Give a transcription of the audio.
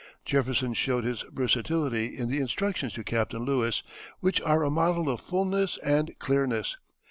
Jefferson showed his versatility in the instructions to Captain Lewis, which are a model of fulness and clearness.